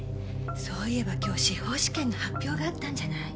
そういえば今日司法試験の発表があったんじゃない？